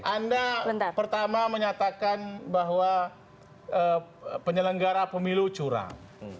anda pertama menyatakan bahwa penyelenggara pemilu curang